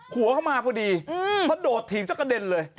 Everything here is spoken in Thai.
หัวเข้ามาพอดีเขาโดดถีบจะกระเด็นเลย